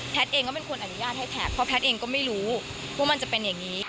เองก็เป็นคนอนุญาตให้แพทย์เพราะแพทย์เองก็ไม่รู้ว่ามันจะเป็นอย่างนี้